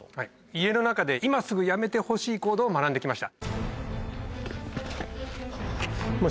家の中で今すぐやめてほしい行動を学んで来ました。